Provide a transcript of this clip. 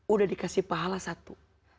udah dikasih pahala satu